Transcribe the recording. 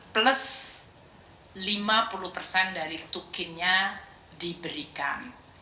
plus lima puluh persen dari tukinnya diberikan